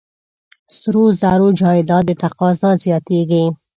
سرو زرو جایداد تقاضا زیاتېږي.